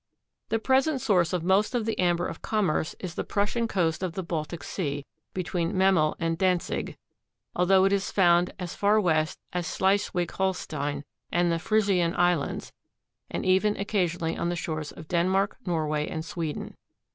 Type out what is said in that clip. The present source of most of the amber of commerce is the Prussian Coast of the Baltic Sea, between Memel and Dantzig, although it is found as far west as Schleswig Holstein and the Frisian Islands and even occasionally on the shores of Denmark, Norway and Sweden.